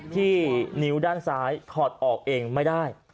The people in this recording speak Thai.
ที่นิ้วด้านซ้ายถอดออกเองไม่ได้